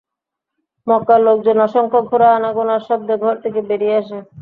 মক্কার লোকজন অসংখ্য ঘোড়া আনাগোনার শব্দে ঘর থেকে বেরিয়ে আসে।